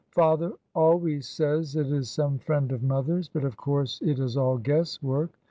"Father always says it is some friend of mother's, but, of course, it is all guess work.